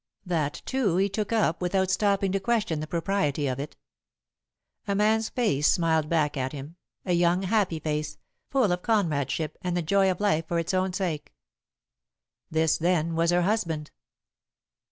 That, too, he took up without stopping to question the propriety of it. A man's face smiled back at him, a young, happy face, full of comradeship and the joy of life for its own sake. This, then, was her husband!